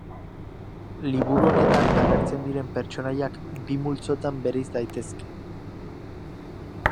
Liburu honetan agertzen diren pertsonaiak bi multzotan bereiz daitezke.